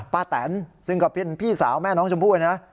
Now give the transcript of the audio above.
ป้าแตนซึ่งกับพี่สาวแม่น้องชมพู่เลยนะ